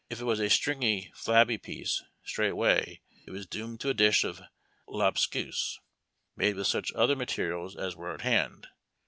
If it was a stringy, flabby piece, straightway it was doomed to a dish of lobscouse, made with such other materials as were at hand.